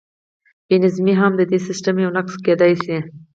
بې نظمي هم د دې سیسټم یو نقص کیدی شي.